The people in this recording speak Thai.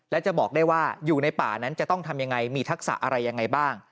และจะบอกได้ว่าอยู่ในป่านั้นจะต้องทำยังไงมีทักษะอะไรยังไงบ้าง